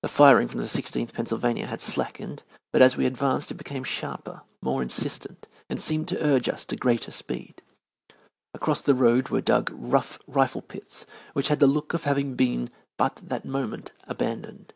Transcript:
The firing from the Sixteenth Pennsylvania had slackened, but as we advanced it became sharper, more insistent, and seemed to urge us to greater speed. Across the road were dug rough rifle pits which had the look of having been but that moment abandoned.